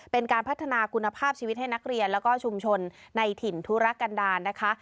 เป็นการพัฒนาคุณภาพชีวิตให้นักเรียนแล้วก็ชุมชนในถิ่นธุรกันดาลนะคะ